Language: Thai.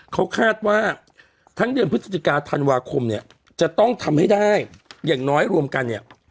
เขาคาดว่าทั้งเดือนพฤศจิกาธันวาคมเนี่ยจะต้องทำให้ได้อย่างน้อยรวมกันเนี่ย